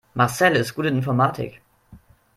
Marcel ist gut in Informatik.